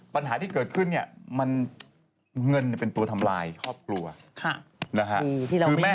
ปัญหาที่เกิดขึ้นเนี่ยมันเงินเป็นตัวทำลายครอบครัวนะฮะ